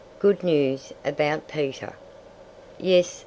GOOD NEWS ABOUT PETER "Yes!